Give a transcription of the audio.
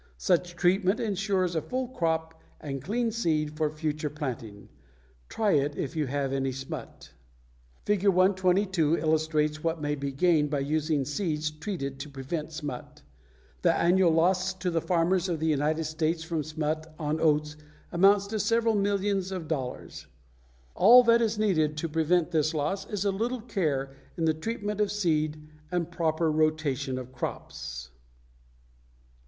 Such treatment insures a full crop and clean seed for future planting. Try it if you have any smut. [Illustration: FIG. 122. A CROP FROM OATS TREATED WITH FORMALIN] Fig. 122 illustrates what may be gained by using seeds treated to prevent smut. The annual loss to the farmers of the United States from smut on oats amounts to several millions of dollars. All that is needed to prevent this loss is a little care in the treatment of seed and a proper rotation of crops.